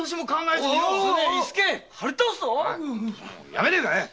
やめねえか！